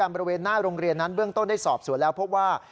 บริเวณหน้าโรงเรียนนั้นเบื้องต้นได้สอบสวนแล้วพบว่า